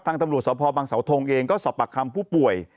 ตำรวจสพบังเสาทงเองก็สอบปากคำผู้ป่วย